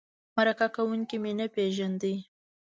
مرکه کوونکی مې نه پېژنده.